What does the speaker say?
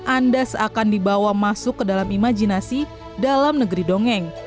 anda seakan dibawa masuk ke dalam imajinasi dalam negeri dongeng